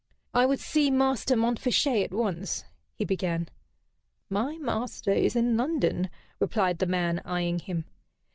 "I would see Master Montfichet, and at once," he began. "My master is in London," replied the man, eyeing him.